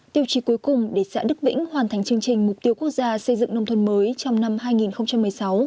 tiêu chí cuối cùng để xã đức vĩnh hoàn thành chương trình mục tiêu quốc gia xây dựng nông thôn mới trong năm hai nghìn một mươi sáu